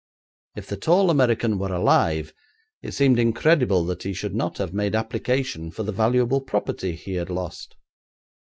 If the tall American were alive, it seemed incredible that he should not have made application for the valuable property he had lost.